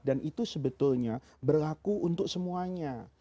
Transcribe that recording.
dan itu sebetulnya berlaku untuk semuanya